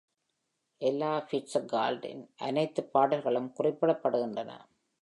Ella Fitzgerald இன் அனைத்து பாடல்களும் குறிப்பிடப்படுகின்றன.